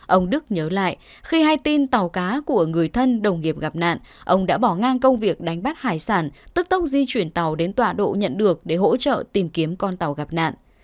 ông đức nhớ lại khi hai tin tàu cá của người thân đồng nghiệp gặp nạn ông đã bỏ ngang công việc đánh bắt hải sản tức tốc di chuyển tàu đến tọa độ nhận được để hỗ trợ tìm kiếm con tàu gặp nạn